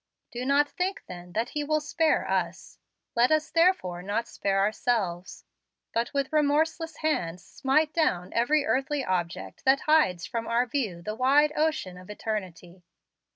Do not think, then, that He will spare us. Let us therefore not spare ourselves, but with remorseless hands smite down every earthly object that hides from our view the wide ocean of eternity.